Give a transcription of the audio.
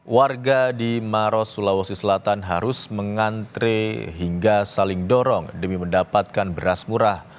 warga di maros sulawesi selatan harus mengantre hingga saling dorong demi mendapatkan beras murah